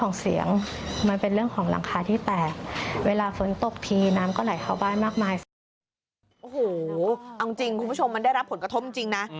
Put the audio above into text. โอ้โหเอาจริงคุณผู้ชมมันได้รับผลกระทบจริงนะ